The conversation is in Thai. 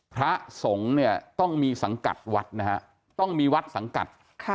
พระสงฆ์เนี่ยต้องมีสังกัดวัดนะฮะต้องมีวัดสังกัด